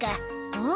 うん。